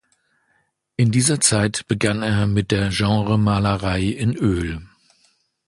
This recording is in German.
In dieser Zeit begann er mit der Genremalerei in Öl.